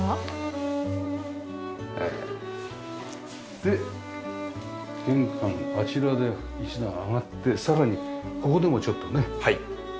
で玄関あちらで一段上がってさらにここでもちょっとね上がって。